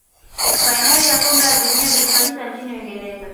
fainali za kombe la dunia zilifanyika nchini uingereza